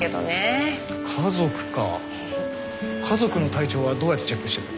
家族か家族の体調はどうやってチェックしてるの？